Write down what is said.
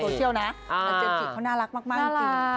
โตเชียลนะเซอร์จิปเขาน่ารักมากจริง